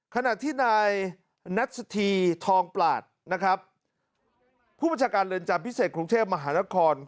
ขณะที่นายนัสธีทองปลาดนะครับผู้บัญชาการเรือนจำพิเศษกรุงเทพมหานคร